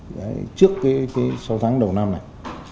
phục vụ cho học sinh an toàn